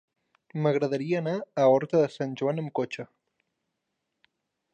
M'agradaria anar a Horta de Sant Joan amb cotxe.